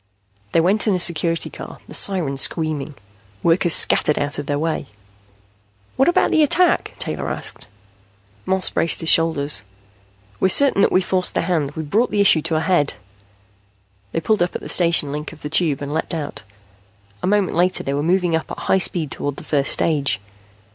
They went in a Security Car, the siren screaming. Workers scattered out of their way. "What about the attack?" Taylor asked. Moss braced his shoulders. "We're certain that we've forced their hand. We've brought the issue to a head." They pulled up at the station link of the Tube and leaped out. A moment later they were moving up at high speed toward the first stage.